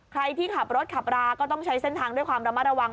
ใครที่ขับรถขับราก็ต้องใช้เส้นทางด้วยความระมัดระวัง